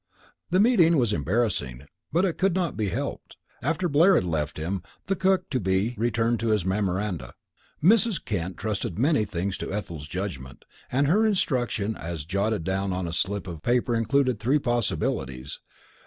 The meeting was embarrassing, but it could not be helped. After Blair had left him, the cook to be returned to his memoranda. Mrs. Kent trusted many things to Ethel's judgment, and her instructions as jotted down on a slip of paper included three possibilities.